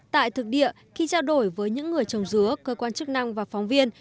tại thực địa khi trao đổi với những người trồng dứa cơ quan chức năng và phóng viên